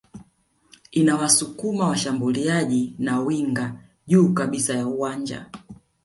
inawasukuma washambuliaji na winga juu kabisa ya uwanja